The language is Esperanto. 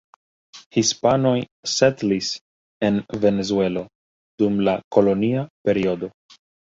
Hispanoj setlis en Venezuelo dum la kolonia periodo.